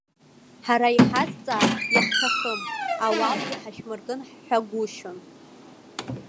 Ҳара иҳазҵаар, иаҳҭахым, ауалгьы ҳашәмыркын ҳҳәагәышьон.